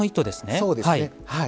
そうですねはい。